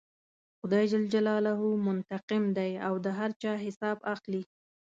خدای جل جلاله منتقم دی او د هر چا حساب اخلي.